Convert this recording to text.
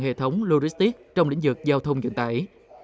hệ thống luristic trong lĩnh vực giao thông dựng tải